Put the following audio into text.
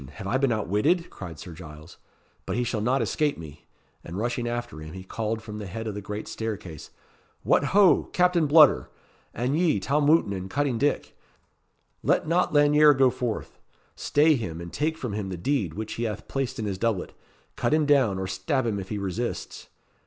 have I been outwitted?" cried Sir Giles. "But he shall not escape me." And rushing after him, he called from the head of the great staircase "What, ho! Captain Bludder! and ye, Tom Wootton and Cutting Dick let not Lanyere go forth. Stay him and take from him the deed which he hath placed in his doublet. Cut him down, or stab him if he resists."